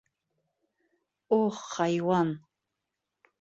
Ух, хайуан!